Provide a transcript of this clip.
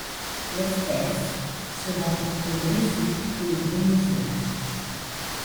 L'espèce se rencontre au Brésil et au Venezuela.